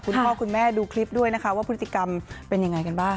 คุณพ่อคุณแม่ดูคลิปด้วยนะคะว่าพฤติกรรมเป็นยังไงกันบ้าง